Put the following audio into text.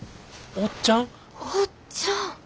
おっちゃん！